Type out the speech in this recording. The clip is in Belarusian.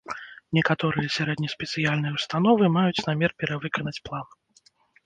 Некаторыя сярэднеспецыяльныя ўстановы маюць намер перавыканаць план.